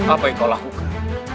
apa yang kau lakukan